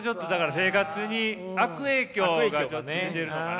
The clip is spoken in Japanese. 生活に悪影響がちょっと出てるのかな。